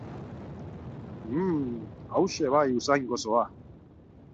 Uhmmm! Hauxe bai usain goxoa!